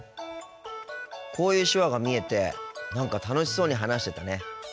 こういう手話が見えて何か楽しそうに話してたね。